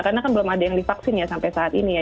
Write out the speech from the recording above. karena kan belum ada yang divaksin ya sampai saat ini ya